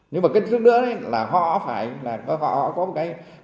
nhưng mà trước nữa là họ phải họ có một cái thủ đoạn rất là ra ngoan là họ lừa người ta sang bên kia